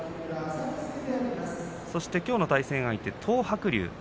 そしてきょうの対戦相手は東白龍。